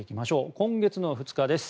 今月の２日です。